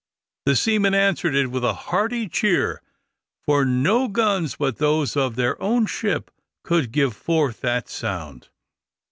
The seamen answered it with a hearty cheer, for no guns but those of their own ship could give forth that sound.